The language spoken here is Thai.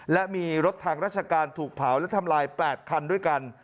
และมีรถทางราชการถูกเผาและทำลาย๘คันด้วยกัน